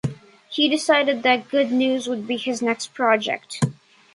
He decided that "Good News" would be his next project.